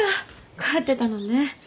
帰ってたのね。